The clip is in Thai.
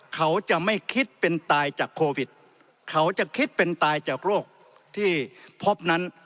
เขาจะไม่คิดเป็นตายจากโควิดเขาจะคิดเป็นตายจากโรคที่พบนั้น